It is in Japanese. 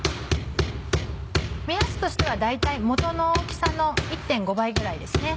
目安としては大体元の大きさの１．５倍ぐらいですね。